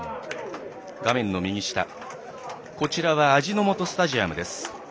画面の右下は味の素スタジアムです。